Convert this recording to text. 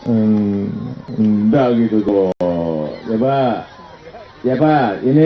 enggak gitu coba coba ini